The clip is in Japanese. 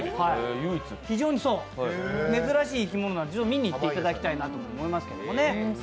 非常に珍しい生き物なので見に行っていただきたいと思います。